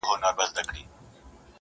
نور کارونه هم لرم درڅخه ولاړم٫